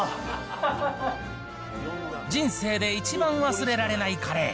人生で一番忘れられないカレー。